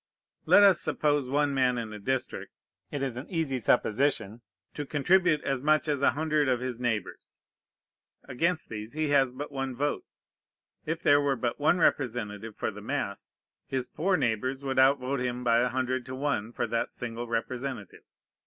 Let us suppose one man in a district (it is an easy supposition) to contribute as much as a hundred of his neighbors. Against these he has but one vote. If there were but one representative for the mass, his poor neighbors would outvote him by an hundred to one for that single representative.